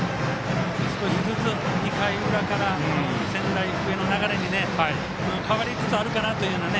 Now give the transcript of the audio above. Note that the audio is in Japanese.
少しずつ、２回裏から仙台育英の流れに変わりつつあるかなというね。